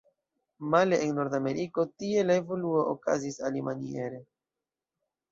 Male en Nordameriko, tie la evoluo okazis alimaniere.